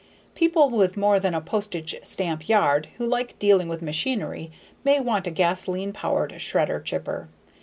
People with more than a postage stamp yard who like dealing with machinery may want a gasoline powered shredder/chipper.